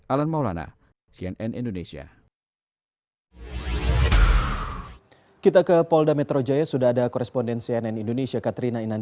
alan maulana cnn indonesia